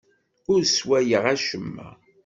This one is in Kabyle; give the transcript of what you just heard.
Ur sswayeɣ acemma.